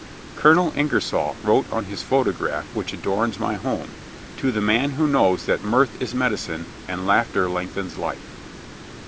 Colonel Ingersoll wrote on his photograph which adorns my home: "To the man who knows that mirth is medicine and laughter lengthens life."